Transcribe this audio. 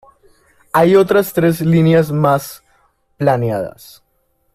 Hay otras tres líneas más, planeadas.